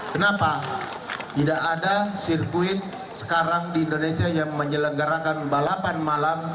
kenapa tidak ada sirkuit sekarang di indonesia yang menyelenggarakan balapan malam